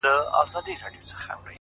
او د خپل زړه په تصور كي مي،